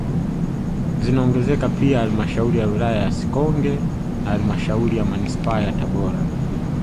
Zinaongezeka pia halmashauri ya wilaya ya Sikonge na halmashauri ya manispaa ya Tabora